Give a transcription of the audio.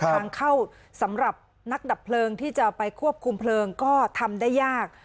ทางเข้าสำหรับนักดับเพลิงที่จะไปควบคุมเพลิงก็ทำได้ยาก